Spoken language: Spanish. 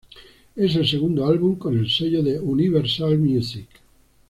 Es el segundo álbum con el sello de Universal Music.